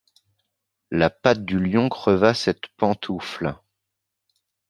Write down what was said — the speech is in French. La patte du lion creva cette pantoufle !